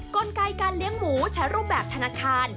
กลไกการเลี้ยงหมูใช้รูปแบบธนาคาร